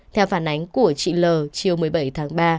theo phản ánh của chị l chiều một mươi bảy tháng ba